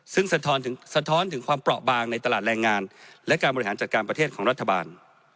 ซึ่งสะท้อนถึงความเปราะบางในตลาดแรงงานและการบริหารจัดการประเทศของรัฐบาล